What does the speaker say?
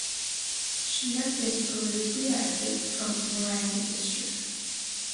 She has been politically active from Morang district.